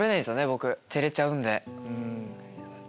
僕照れちゃうんで。